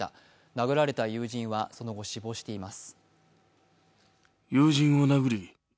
殴られた友人はその後死亡しています。